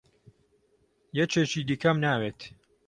یەکێکی دیکەم ناوێت.